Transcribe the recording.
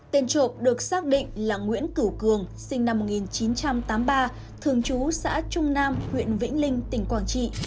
tên trộm được xác định là nguyễn cửu cường sinh năm một nghìn chín trăm tám mươi ba thường trú xã trung nam huyện vĩnh linh tỉnh quảng trị